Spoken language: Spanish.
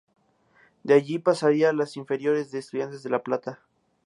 De allí pasaría a las inferiores de Estudiantes de La Plata.